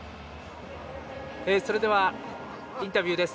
それでは、インタビューです。